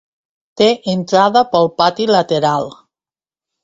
Té entrada pel pati lateral.